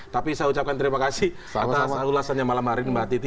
tapi saya ucapkan terima kasih atas ulasannya malam hari ini mbak titi